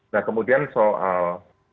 nah kemudian soal